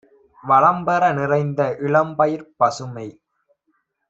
வளம்பெற நிறைந்த இளம்பயிர்ப் பசுமை